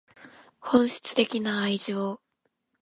本質的な愛情